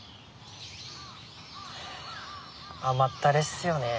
ハァ甘ったれっすよねえ。